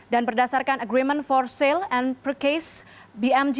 dan berdasarkan agreement for sustainability